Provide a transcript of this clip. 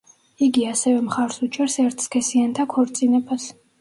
იგი ასევე მხარს უჭერს ერთსქესიანთა ქორწინებას.